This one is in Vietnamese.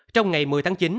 trong ngày một mươi tháng chín